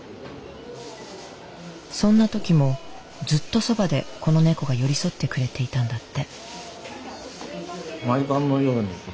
そんな時もずっとそばでこの猫が寄り添ってくれていたんだって。